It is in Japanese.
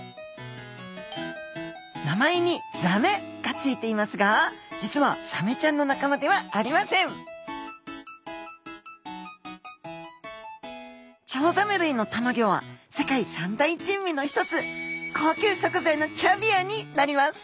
名前に「ザメ」がついていますが実はサメちゃんの仲間ではありませんチョウザメ類の卵は世界三大珍味の一つ高級食材のキャビアになります。